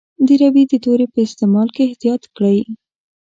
د روي د توري په استعمال کې احتیاط کړی.